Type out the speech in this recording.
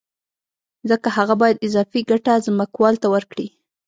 ځکه هغه باید اضافي ګټه ځمکوال ته ورکړي